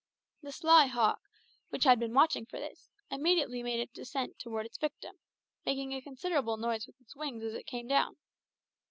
The sly hawk, which had been watching for this, immediately made a descent towards its victim, making a considerable noise with its wings as it came down.